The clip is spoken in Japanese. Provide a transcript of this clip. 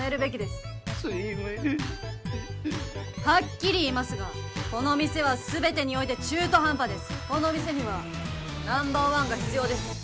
すいませんはっきり言いますがこの店は全てにおいて中途半端ですこの店にはナンバーワンが必要です